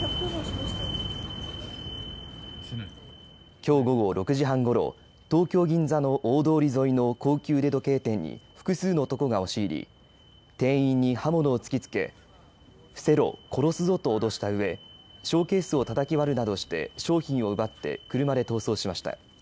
きょう午後６時半ごろ東京、銀座の大通り沿いの高級腕時計店に複数の男が押し入り店員に刃物に突き付け伏せろ殺すぞ、と脅したうえショーケースをたたき割るなどして商品を奪って車で逃走しました。